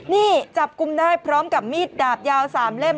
นี่จับกลุ่มได้พร้อมกับมีดดาบยาว๓เล่ม